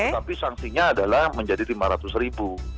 tapi sanksinya adalah menjadi lima ratus ribu